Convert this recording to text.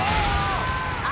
あ！